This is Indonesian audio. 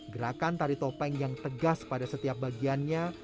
gerakan tari topeng yang tegas pada setiap bagiannya